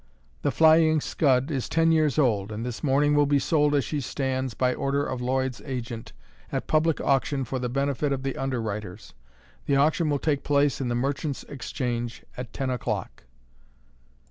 The Flying Scud is ten years old, and this morning will be sold as she stands, by order of Lloyd's agent, at public auction for the benefit of the underwriters. The auction will take place in the Merchants' Exchange at ten o'clock.